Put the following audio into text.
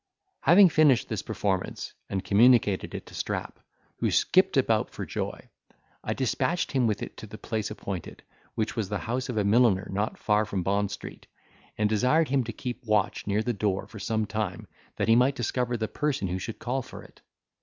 Having finished this performance, and communicated it to Strap, who skipped about for joy, I dispatched him with it to the place appointed, which was the house of a milliner not far from Bond Street, and desired him to keep watch near the door for some time, that he might discover the person who should call for it.